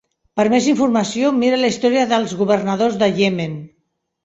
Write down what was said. Per més informació, mira la història des governadors de Yemen.